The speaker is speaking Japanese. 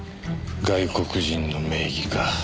外国人の名義か。